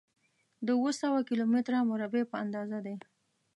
د اووه سوه کيلو متره مربع په اندازه دی.